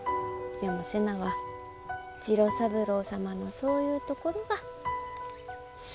でも瀬名は次郎三郎様のそういうところが好。